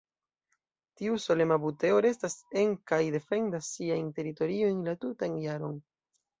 Tiu solema buteo restas en kaj defendas siajn teritoriojn la tutan jaron.